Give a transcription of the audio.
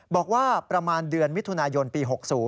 บอกว่าประมาณเดือนมิถุนายนปี๖๐